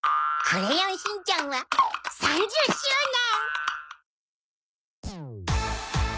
『クレヨンしんちゃん』は３０周年。